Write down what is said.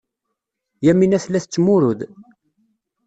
Yamina tella tettmurud.